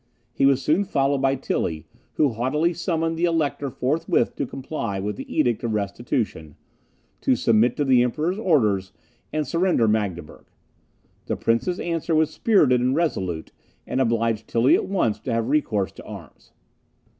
He was soon followed by Tilly, who haughtily summoned the Elector forthwith to comply with the Edict of Restitution, to submit to the Emperor's orders, and surrender Magdeburg. The Prince's answer was spirited and resolute, and obliged Tilly at once to have recourse to arms.